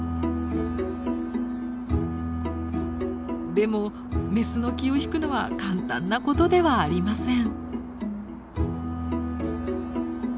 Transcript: でもメスの気を引くのは簡単なことではありません。